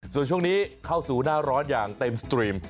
ส่วนช่วงนี้เข้าสู่หน้าร้อนอย่างเต็มสตรีม